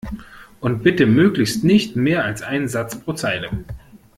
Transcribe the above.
Und bitte möglichst nicht mehr als ein Satz pro Zeile!